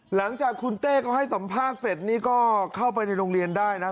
หลังจากคุณเต้ก็ให้สัมภาษณ์เสร็จนี่ก็เข้าไปในโรงเรียนได้นะ